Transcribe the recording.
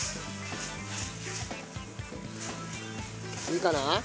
いいかな？